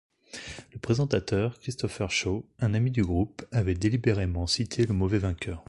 Le présentateur, Kristopher Schau, un ami du groupe avait délibérément cité le mauvais vainqueur.